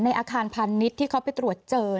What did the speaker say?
ในอาคารพันธ์นิทร์ที่เขาไปตรวจเจอ